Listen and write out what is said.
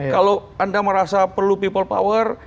kalau anda merasa perlu people power